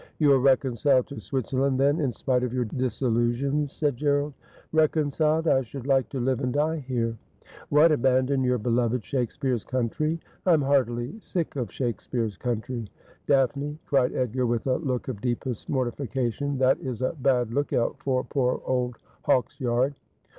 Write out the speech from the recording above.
'You are reconciled to Switzerland, then, in spite of your disillusions,' said Gerald. ' Reconciled ! I should like to live and die here.' ' What ! abandon your beloved Shakespeare's country ?'' I am heartily sick of Shakespeare's country.' ' Daphne,' cried Edgar, with a look of deepest mortification, ' that is a bad look out for poor old Hawksyard.'